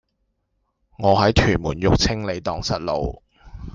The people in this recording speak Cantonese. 我喺屯門育青里盪失路